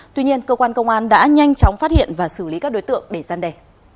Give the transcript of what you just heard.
tuy nhiên cơ quan công an đã nhanh chóng phát hiện và xử lý các đối tượng để gian đề